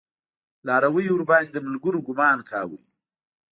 لارويو ورباندې د ملګرو ګمان کوه.